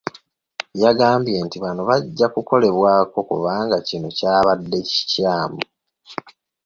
Yagambye nti bano bajja kukolebweko kubanga kino kyabadde kikyamu.